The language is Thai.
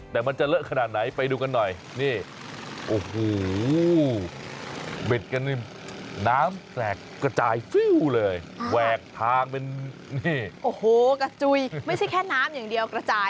แต่มันจะเหลอะขนาดไหนไปดูกันหน่อย